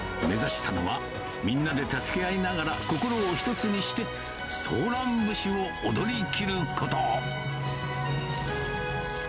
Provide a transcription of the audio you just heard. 目指したのは、みんなで助け合いながら、心を一つにして、ソーラン節を踊りきること。